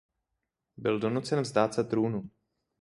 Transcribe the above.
Byl donucen vzdát se trůnu.